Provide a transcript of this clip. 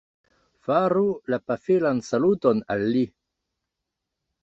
Faru la pafilan saluton al li